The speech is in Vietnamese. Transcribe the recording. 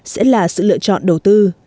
sẽ là sự lựa chọn đầu tư